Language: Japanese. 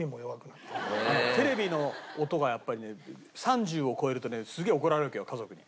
テレビの音がやっぱりね３０を超えるとねすげえ怒られるわけよ家族に。